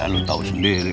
lu tau sendiri